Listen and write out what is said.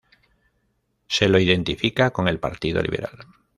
Se lo identifica con el Partido Liberal.